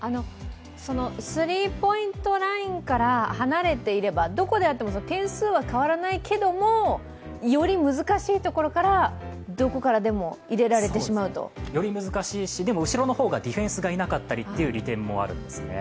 スリーポイントラインから離れていればどこであっても点数は変わらないけどもより難しいところからどこからでもより難しいし、でも後ろの方は、ディフェンスがいなかったりという利点もあるんですね。